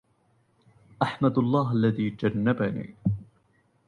أحمد الله الذي جنبني